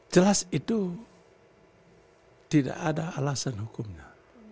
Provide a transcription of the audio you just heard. jelas itu tidak ada alasan hukumnya